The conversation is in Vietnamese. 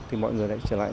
thì mọi người lại trở lại